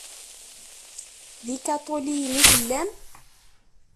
D ikaṭuliyen i tellam?